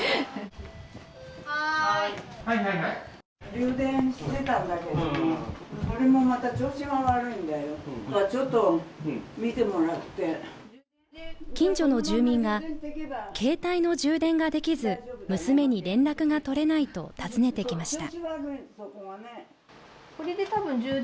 充電してたんだけど、これもまた調子が悪いんだよちょっと、見てもらって、近所の住民が携帯の充電ができず、娘に連絡が取れないと訪ねてきました。